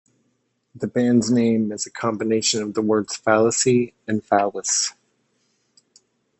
The band's name is a combination of the words "fallacy" and "phallus".